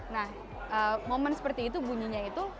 nah momen seperti itu bunyinya itu